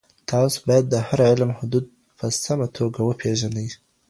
تاسو باید د هر علم حدود په سمه توګه وپېژنئ.